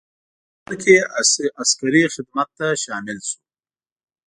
په پېښور کې عسکري خدمت ته شامل شو.